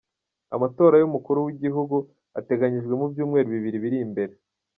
Amatora y'umukuru w'igihugu ateganijwe mu byumweru bibiri biri imbere.